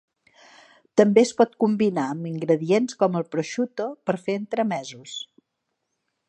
També es pot combinar amb ingredients com el "prosciutto" per fer entremesos.